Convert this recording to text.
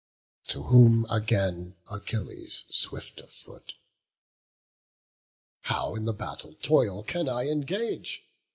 To whom again Achilles, swift of foot: "How in the battle toil can I engage?